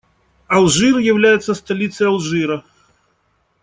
Алжир является столицей Алжира.